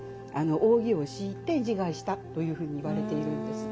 扇を敷いて自害したというふうに言われているんです。